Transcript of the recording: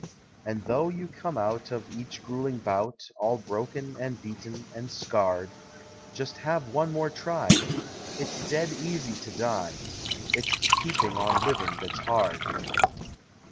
And though you come out of each grueling bout, All broken and beaten and scarred Just have one more try. It's dead easy to die, It's the keeping on living that's hard.